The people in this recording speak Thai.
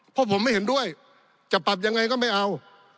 เพราะผมไม่เห็นด้วยจะปรับยังไงก็ไม่เอา